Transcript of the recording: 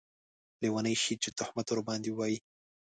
لیونۍ شې چې تهمت ورباندې واېې